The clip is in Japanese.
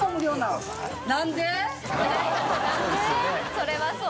それはそう。